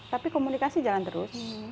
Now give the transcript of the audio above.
tapi komunikasi jangan terus